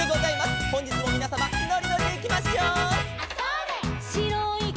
「ほんじつもみなさまのりのりでいきましょう」